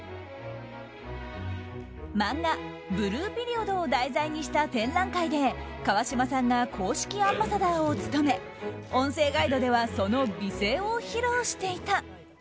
漫画「ブルーピリオド」を題材にした展覧会で川島さんが公式アンバサダーを務め音声ガイドではその美声を披露していた。